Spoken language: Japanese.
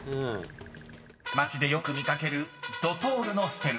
［街でよく見掛けるドトールのスペル］